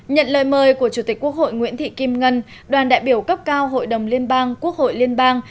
nhận lời mời của chủ tịch quốc hội nguyễn thị kim ngân đoàn đại biểu cấp cao hội đồng liên bang quốc hội liên bang